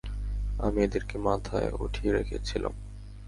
আমিই এদেরকে মাথায় ঊঠিয়ে রেখে ছিলাম।